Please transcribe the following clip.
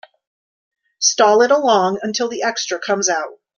Stall it along until the extra comes out.